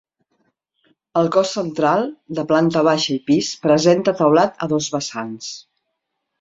El cos central, de planta baixa i pis presenta teulat a dos vessants.